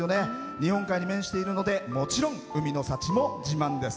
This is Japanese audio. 日本海に面しているのでもちろん、海の幸も自慢です。